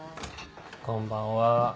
こんばんは。